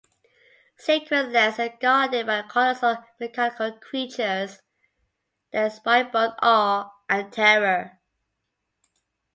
Sacred lands are guarded by colossal, mechanical creatures that inspire both awe and terror.